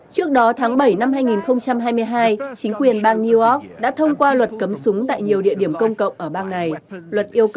cảm ơn các bạn đã theo dõi và hẹn gặp lại